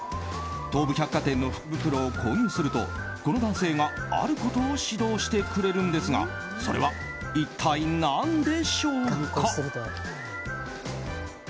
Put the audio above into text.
東武百貨店の福袋を購入するとこの男性が、あることを指導してくれるんですがそれは一体何でしょうか。